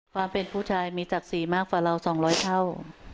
ความเป็นผู้ชายมีศักดิ์ศรีมากกว่าเรา๒๐๐เท่า